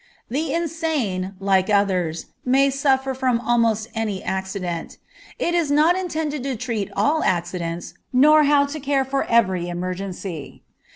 The insane, like others, may suffer from almost any accident. It is not intended to treat of all accidents, nor how to care for every emergency.